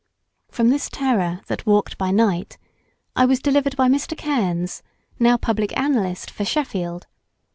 From this terror that walked by night I was delivered by Mr. Kearns, now public analyst for Sheffield.